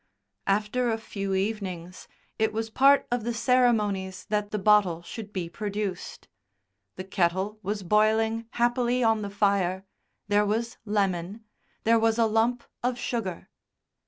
After a few evenings it was part of the ceremonies that the bottle should be produced; the kettle was boiling happily on the fire, there was lemon, there was a lump of sugar....